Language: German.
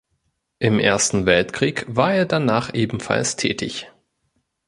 Im Ersten Weltkrieg war er danach ebenfalls tätig.